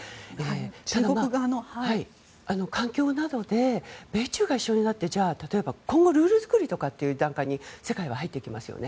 中国側の環境などで米中が一緒になって今後、ルール作りなどの段階に世界は入っていきますよね。